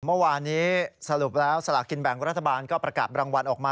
เมื่อวานนี้สรุปแล้วสลากินแบ่งรัฐบาลก็ประกาศรางวัลออกมา